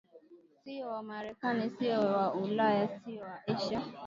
Siyo wamarekani siyo wa Ulaya siyo wa Asia